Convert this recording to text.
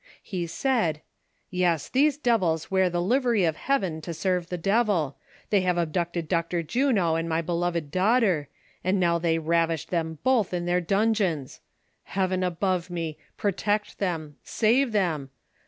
He said :" Yes, these devils wear the livery of heaven to serve the devil ; they have abducted Victor Juno and my beloved daughter, and now they ravish them both in their dun geons. Heaven above me, protect them ! save them